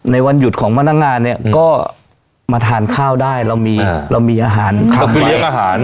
ในวันหยุดของพนักงานเนี่ยก็มาทานข้าวได้เรามีอาหารข้ามไว้